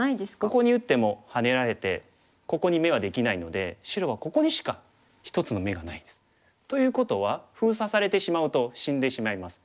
ここに打ってもハネられてここに眼はできないので白はここにしか１つの眼がないんです。ということは封鎖されてしまうと死んでしまいます。